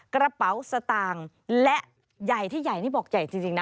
กระเป๋าสตางค์และใหญ่ที่ใหญ่นี่บอกใหญ่จริงนะ